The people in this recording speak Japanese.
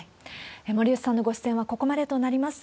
森内さんのご出演はここまでとなります。